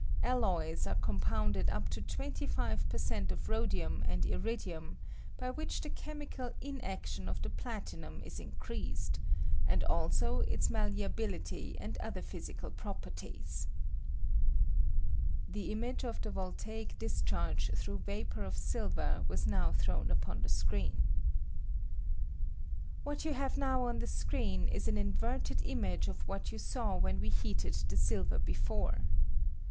Alloys are com pounded up to 25 per cent, of rhodium and irid ium, by which the chemical inaction of the w I I 216 VOLATILITT OP SILVER, platinum is increased, and also ita malleability and other physical properties, [The image of the voltaic discharge through vapor of silver was now thmwu upon the screen.] What you have now on the screen is an inverted image of what you saw when we heated the silver before.